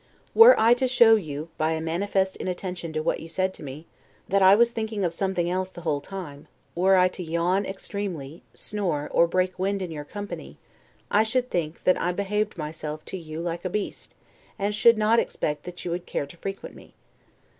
Were I to show you, by a manifest inattention to what you said to me, that I was thinking of something else the whole time; were I to yawn extremely, snore, or break wind in your company, I should think that I behaved myself to you like a beast, and should not expect that you would care to frequent me.